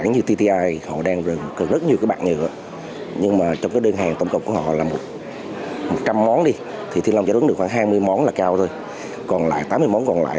nếu như tám mươi món còn lại